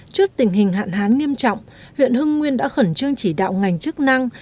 trước tình hình hạn hán nghiêm trọng huyện hưng nguyên đã khẩn trương chỉ đạo ngành chức năng